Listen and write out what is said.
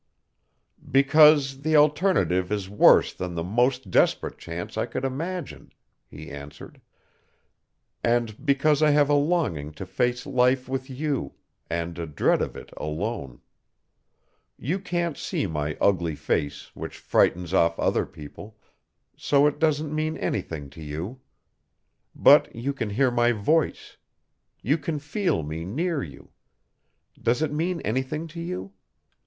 "Because the alternative is worse than the most desperate chance I could imagine," he answered. "And because I have a longing to face life with you, and a dread of it alone. You can't see my ugly face which frightens off other people, so it doesn't mean anything to you. But you can hear my voice. You can feel me near you. Does it mean anything to you?